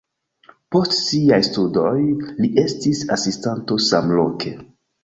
Post siaj studoj li estis asistanto samloke.